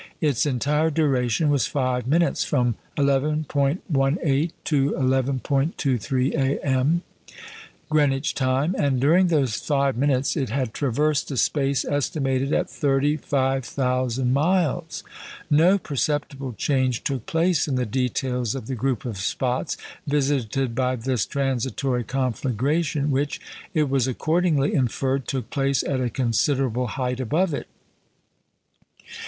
Its entire duration was five minutes from 11.18 to 11.23 A.M., Greenwich time; and during those five minutes it had traversed a space estimated at 35,000 miles! No perceptible change took place in the details of the group of spots visited by this transitory conflagration, which, it was accordingly inferred, took place at a considerable height above it.